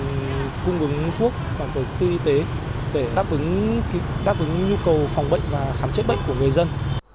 mình cung ứng thuốc phòng cử tư y tế để đáp ứng nhu cầu phòng bệnh và khám chế bệnh của người dân